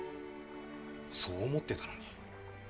そう思ってたのに。